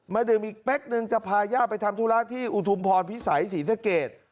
ดื่มอีกเป๊กนึงจะพาย่าไปทำธุระที่อุทุมพรพิสัยศรีสะเกด